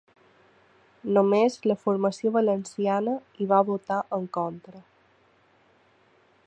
Només la formació valenciana hi va votar en contra.